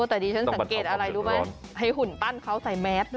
ตอนนี้ฉันสังเกตอะไรให้หุ่นปั้นเขาใส่แมสด้วย